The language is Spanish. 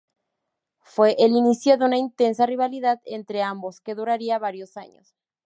Fue el inicio de una intensa rivalidad entre ambos que duraría varios años.